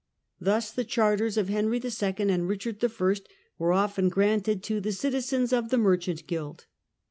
Thus the charters of Henry II. and Richard I. were often granted to the "citizens of the mer chant guild".